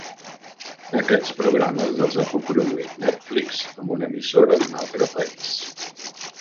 Aquests programes els ha coproduït Netflix amb una emissora d'un altre país.